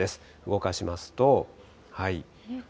動かしますと。